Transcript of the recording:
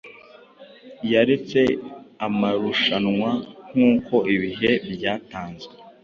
Yaretse amarushanwa nkuko ibihe byatanzwe